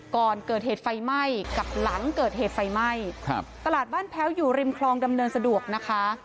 ก่อนเกิดเหตุไฟไหม้กับหลังเกิดเหตุไฟไหม้ครับตลาดบ้านแพ้วอยู่ริมคลองดำเนินสะดวกนะคะ